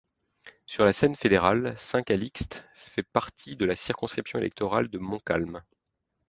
Sur la scène fédérale, Saint-Calixte fait partie de la circonscription électorale de Montcalm.